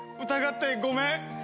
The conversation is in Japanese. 疑ってごめん。